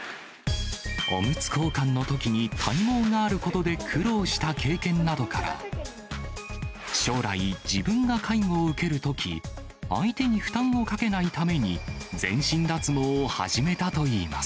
おむつ交換のときに体毛があることで苦労した経験などから、将来、自分が介護を受けるとき、相手に負担をかけないために、全身脱毛を始めたといいます。